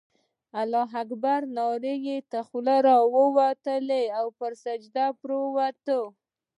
الله اکبر ناره یې تر خولې ووتله او پر سجده پرېوت.